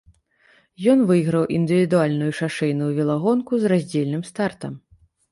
Ён выйграў індывідуальную шашэйную велагонку з раздзельным стартам.